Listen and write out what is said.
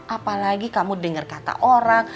apalagi kamu dengar kata orang